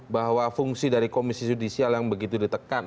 bahwa fungsi dari komisi judisial yang begitu ditekan